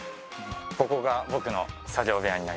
ここが僕の作業部屋になります。